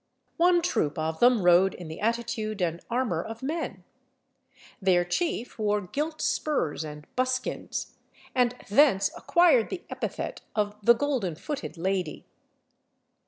One troop of them rode in the attitude and armour of men: their chief wore gilt spurs and buskins, and thence acquired the epithet of the golden footed lady.